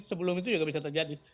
sebelum itu juga bisa terjadi